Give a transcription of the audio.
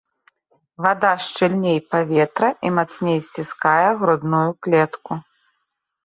Вада шчыльней паветра і мацней сціскае грудную клетку.